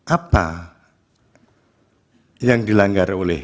apa yang dilanggar oleh